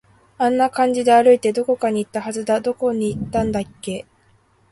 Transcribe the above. あんな感じで歩いて、どこかに行ったはずだ。どこに行ったんだっけ